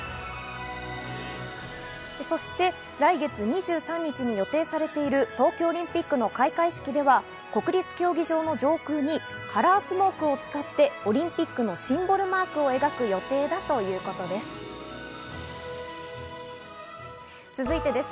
そして来月２３日に予定されている東京オリンピックの開会式では、国立競技場の上空にカラースモークを使って、オリンピックのシンボルマークを描く予定だということです。